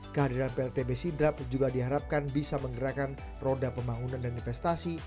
kehadiran pltb sidrap juga diharapkan bisa menggerakkan roda pembangunan dan investasi